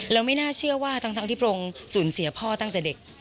แล้วไม่น่าเชื่อว่าทั้งที่พระองค์สูญเสียพ่อตั้งแต่เด็ก